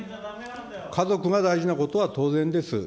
家族が大事なことは当然です。